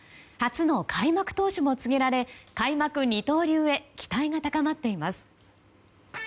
初の開幕投手も告げられ開幕二刀流へ期待が高まっています。